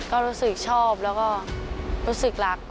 ก็รู้สึกชอบแล้วก็รู้สึกรัก